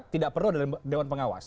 tidak perlu ada dewan pengawas